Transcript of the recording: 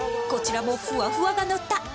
こちらもフワフワがのった